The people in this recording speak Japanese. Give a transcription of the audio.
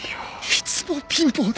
いつも貧乏で。